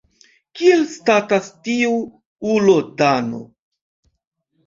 Kiel statas tiu ulo Dano?